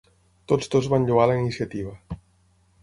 Tots dos van lloar la iniciativa.